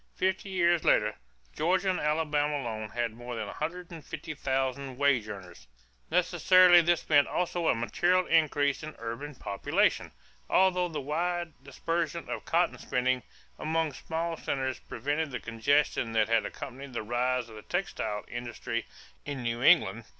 Fifty years later, Georgia and Alabama alone had more than one hundred and fifty thousand wage earners. Necessarily this meant also a material increase in urban population, although the wide dispersion of cotton spinning among small centers prevented the congestion that had accompanied the rise of the textile industry in New England.